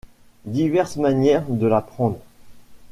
Diverses manières de la prendre.